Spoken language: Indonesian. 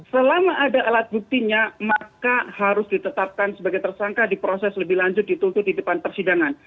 selama ada alat buktinya maka harus ditetapkan sebagai tersangka diproses lebih lanjut ditutup di depan persidangan